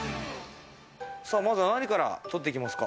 まずは何から取っていきますか？